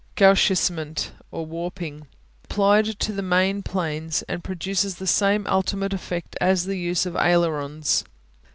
Gauchissement (or warping) Applied to the main planes and produces the same ultimate effect as the use of ailerons.